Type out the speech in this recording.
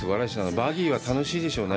バギーは楽しいでしょうね。